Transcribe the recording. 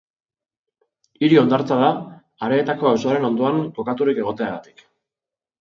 Hiri hondartza da, Areetako auzoaren ondoan kokaturik egoteagatik.